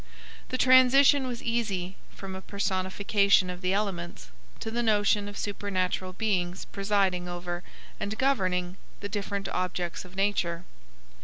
The transition was easy from a personification of the elements to the notion of supernatural beings presiding over and governing the different objects of nature.